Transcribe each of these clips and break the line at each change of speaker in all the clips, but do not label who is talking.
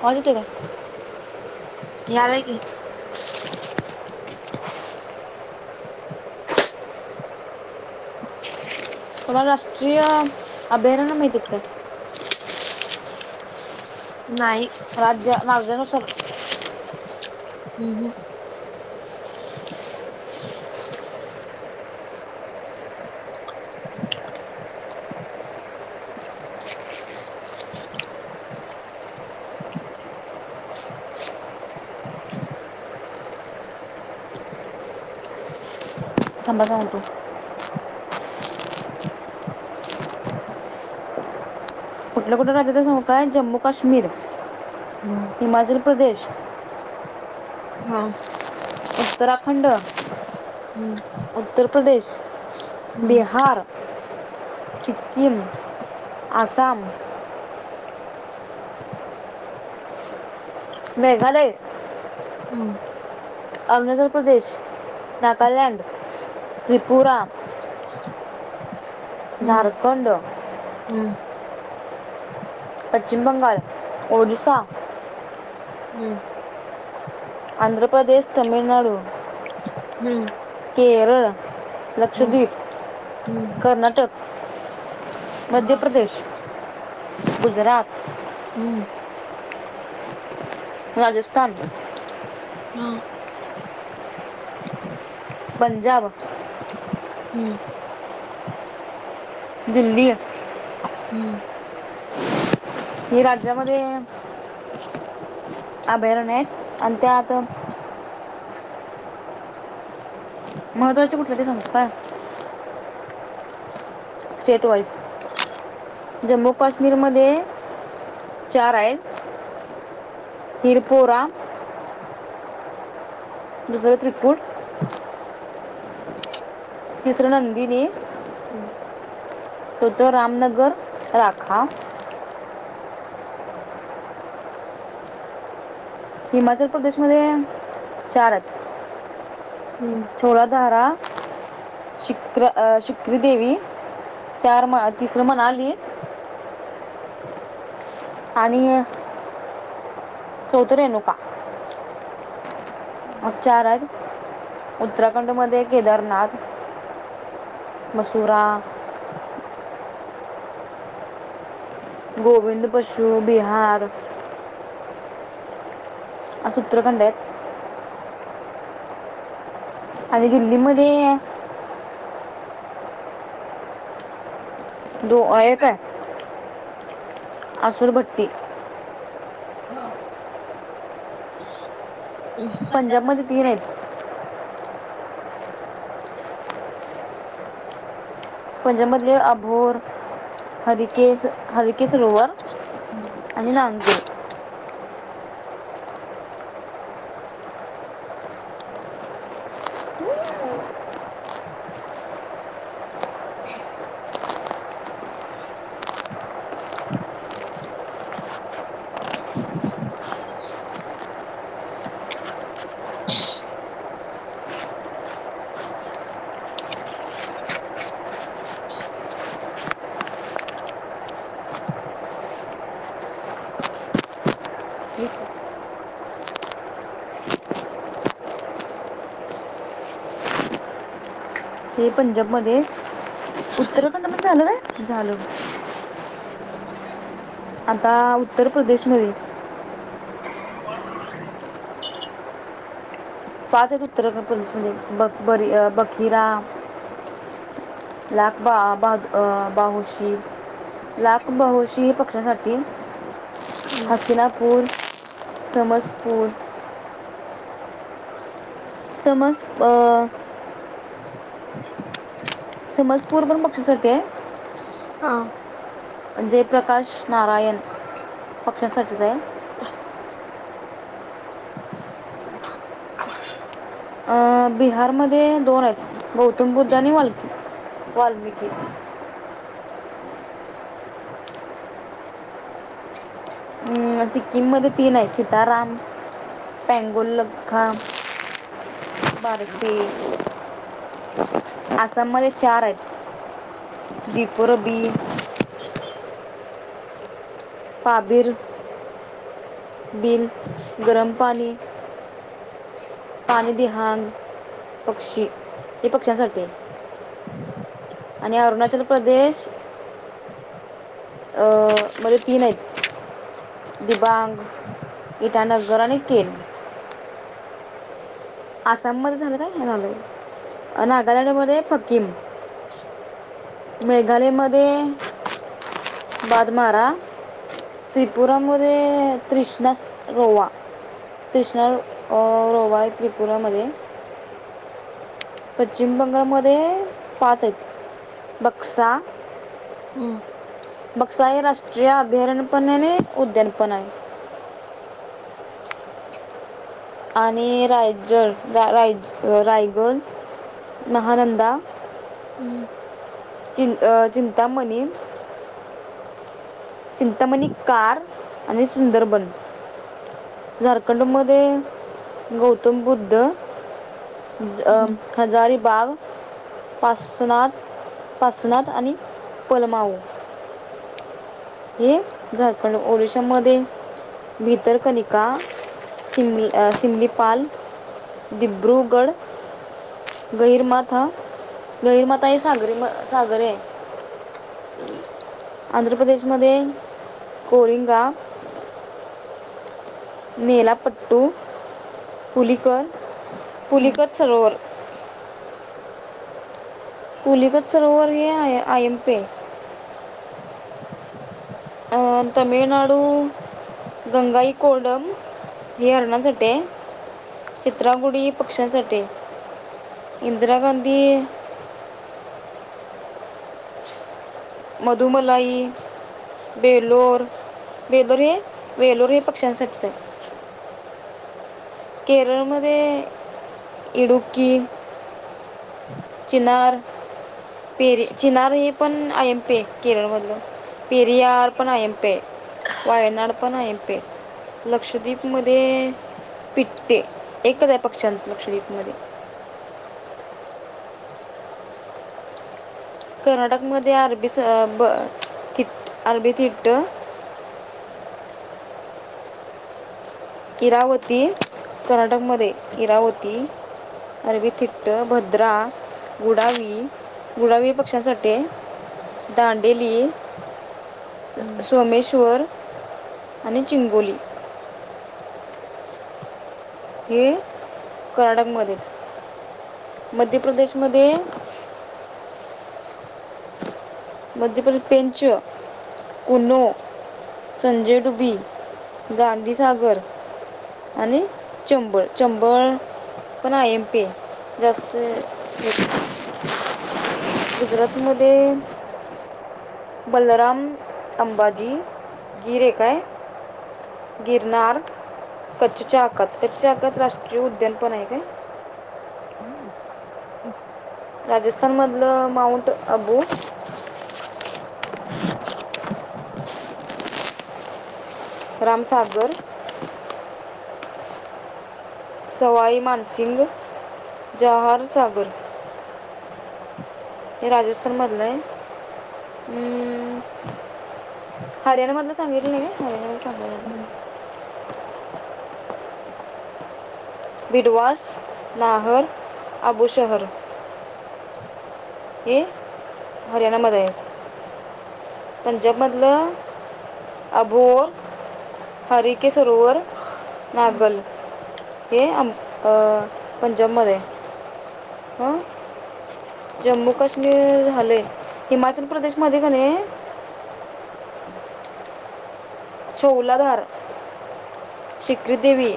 आवाज येतोय काय
या ल की
कोणाला राष्ट्रीय अभयारण्य माहित आहेत काय [inaudible]
नाही
राज्य
हम्
राज्यानुसार
हम [inaudible]
संभसा म्हत कुठल्या कुठल्या राज्यात सांगू काय जम्मू काश्मीर
हम्म
हिमाचल प्रदेश
हा
उत्तराखंड
हम्म
उत्तर प्रदेश
हम्म
बिहार सिक्कीिम आसाम मेघालय
हम्म
अरुणाचल प्रदेश नागालँड त्रिपुरा
हम्
झारखंड
हम्म
पश्चिम बंगाल ओडिसा
हम्म
आंध्र प्रदेश तमिळनाडू
हम्म
- केरळ
हम्म
लक्षद्वीप
हम्म
कर्नाटक
हा
मध्य प्रदेश - गुजरात
हम्म
राजस्थान
हा
पंजाब
हम्म
दिल्ली
हम्म
कि राज्यामध्ये [inaudible] अभयारणहाईत आणि त्यात महत्वाचे कुठले ते सांग काय स्टेट वाइज जम्मू काश्मीरमध्ये चार आहयत तिरपुरा दुसर त्रिकुट तिसरं नंदीने त तर रामनगर राखा हिमाचल प्रदेशमध्ये चार आहयत
हम्म
छोळाधारा शिक्र शिकरी देवी चार म तिसर मनाली आणि चौतरे नुका आज चार आहयत उत्तराखंड मध्ये केदारनाथ मसूरा गोविंद पशु बिहार ह आ सूत्र कंडत आणि दिल्लीमध्ये दो आहे एक का आहे अससूरभट्टी
हो
पंजाब मध्ये तीन आहेत पंजाब मधले अभोर हरिकेस हरिके सरोवरवर आणि नागुल
ह्
हे स- ह पंजाब मध्ये उत्तराखंडमध्येध्ये झालं झालं आता उत्तर प्रदेशमध्ये पाच एक उत्तर पोलीस म्हणचे ब बरी बखिरा लाख बा बाहोशी लाख बाहोशी पक्षासाठी हासिनापूर समजपूर समज अ
[unintelligible]
समजपूर पण पक्षीस साठी आहे.
हा.
जयप्रकाश नारायण पक्षासाठीच आहे. अं बिहारमध्येध्ये दोन आहेत गौतम बुद्ध आणि वाल्की वाल्मिकी सिक्कीममध्ये तीन आहेत सिताराम पेंगुल्लखा बारशी आसाममध्ये चार आहेत दपुरबी पाबीर बिल गरम पाणी पाणीदहाग पक्षी हे पक्ष्यांसाठी आणि अरुणाचल प्रदेश मध्ये तीन आहेत दिबांग इटानगर आणि केन आसाममध्येध्ये झालं काय हनॉले नागालँडमध्येध्ये फकीम मेघालय मध्ये बादमारा त्रिपुरामध्ये त्रृष्णा रोवा त्रृष्णा रोवा आहे त्रिपुरामध्ये पश्चिम बंगालमध्ये पाच आहेत बघ. बसा
हम्म
बक्सा हे राष्ट्रीय अभयारण्यपणने उद्यानपण आहे. आणि रायड रा रायगंज महानंदा
हम्.
ि चिंतामणी चिंतामणी कार आणि सुंदरबन झारखंड मध्ये गौतम बुद्ध
हम्म हम्म
हजारीबाग पासनाथ पासनाथ आणि पलमाऊ ये झाल. पण ओडिसा मध्ये मी तर कनिका सिमी अ सेमी पाल दिध्रुगड गैर माथ हा गहीरमाथा हे सागरी सागर आहे. आंध्र प्रदेश मध्ये कोरिंगा नेलापट्टू पुुलीकर पुलिकच सरोवर पुुलकच सरोवर आहे आयमपे
[unintelligible]
अ तमिळनाडू गंगाई कोडम हे हरणाांसाठी चित्रांगुडी पक्ष्यांसाठी इंदिरा गांधी मधुमलाई बेलोर वेलोर हे वेलोर हे पक्ष्यांसाठीच आहे. केरळमध्ये इडुकी चिनार पेरी चिनार हे पण आय एम पी केरळमधल पेरियार पण आय एम पे आहे. वायनाड पण आय एम पी आहे. लक्षद्वीप मध्ये पिटते एकच आहे पक्ष्यांच लक्षद्वीप मध्ये कर्नाटकमध्ये अरबी स ब थिट अरबी थिट्ट इरावती कर इरावती अरवी थिट्ट भद्रा गुडावी गुडावी हे पक्ष्यांसाठी आहे दांडेली
हम्म
सोमेश्वर आणि चिंगोली हे कर्नाटकमध्ये मध्य प्रदेशमध्ये मध्य प्रल पेंच कनो संजय डुबी गांधीसागर आणि चंबळ चंबळ पण आहेय एम पे जास्त गुजरातमध्ये बलराम अंबाजी गिरे काय गिरनार कच्छचाक कच्चाकत राष्ट्रीय उद्यान पण आहे काय राजस्थानमधलं माऊंट अबू रामसागर सवाई मानसिंग जहार सागर हे राजस्थानमधलं आहे. हम्म. हरियाणा मधलं सांगितलं काय हरियाणा सांग
हम्म
बिडवास नाहर अबू शहर ये हरियाणामध्ये आहे. पंजाब मधलं अभोर हरी के सरोवर नागल हे ज्यामध्ये [unintelligible] जम्मू काश्मीर झाले हिमाचल प्रदेश मध्ये का नाही. छौलाधार शिक्रीदेवी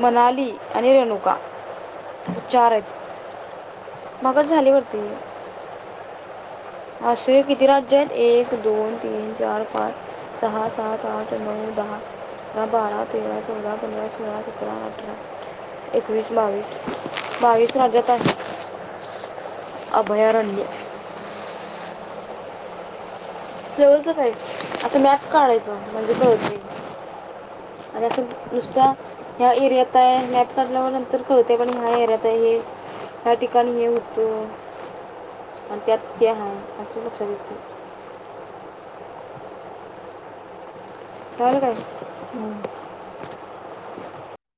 मनाली आणि रेणुकाअसे चार आहेत मगच झालेवरती. असे किती राज्य आहेत एक दोन तीन चार पाच सहा सात आठ नऊ दहा बारा तेररा चौदा पंधरा सोळा सतरा अठरा एकवीस बावीस बावीस राज्यात आहे. अभयारण्य [unintelligible] असं मॅप काढायच म्हणजे कळतंय. आणि असं नुसत्या ह्या एरियात आहे मॅट काढल्यावर नंतर कळते पण ह्या एरियात आहे हे ह्या ठिकाणी हे होतं आणि त्यात ते आहे असं लक्षात येतं
कळालं काय? हम्म.
[unintelligible]